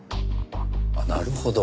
あっなるほど。